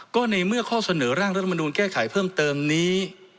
ก็ในเมื่อข้อเสนอร่างรัฐมนูลแก้ไขเพิ่มเติมนี้